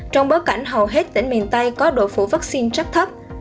trong bối cảnh hầu hết tỉnh miền tây có độ phủ vaccine rất thấp